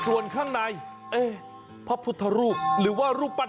ว้าว